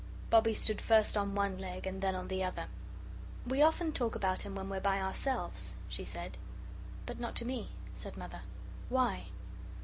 Bobbie stood first on one leg and then on the other. "We often talk about him when we're by ourselves," she said. "But not to me," said Mother. "Why?"